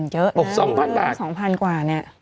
เยอะนะ๒๐๐๐กว่าเนี่ย